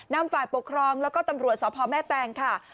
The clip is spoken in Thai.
นำฝ่ายปกครองแล้วก็ตำรวจษฐ์ของหน้าแม่แตงค่ะ